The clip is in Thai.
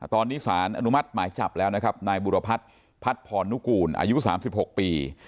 ตอนนี้สารอนุมัติหมายจับแล้วนะครับนายบุรพัฒน์พัฒนพรนุกูลอายุ๓๖ปี